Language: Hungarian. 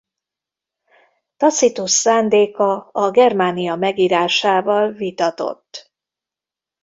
Tacitus szándéka a Germania megírásával vitatott.